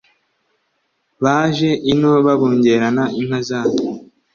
baje ino babungerana inka zabo;